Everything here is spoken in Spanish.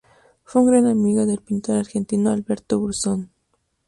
Fue un gran amigo del pintor Argentino Alberto Bruzzone.